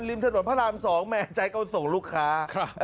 ริมถนนพระราม๒แหมใจเขาส่งลูกค้า